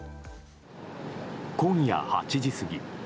今夜８時過ぎ。